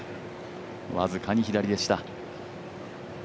僅かに左でした。